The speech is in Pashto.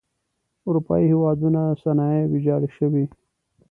اروپايي هېوادونو صنایع ویجاړې شوئ.